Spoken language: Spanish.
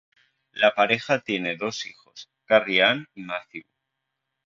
La pareja tiene dos hijos, Carrie Ann y Matthew.